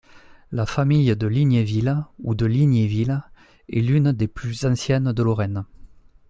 La famille de Lignéville, ou de Ligniville, est l'une des plus anciennes de Lorraine.